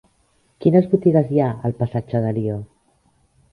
Quines botigues hi ha al passatge d'Alió?